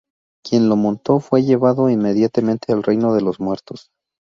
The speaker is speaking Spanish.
Quien lo montó fue llevado inmediatamente al reino de los muertos.